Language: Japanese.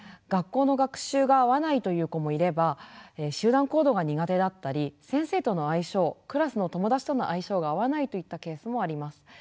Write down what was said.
学校の学習が合わないという子もいれば集団行動が苦手だったり先生との相性クラスの友達との相性が合わないといったケースもあります。